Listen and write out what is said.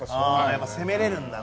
やっぱ攻めれるんだな。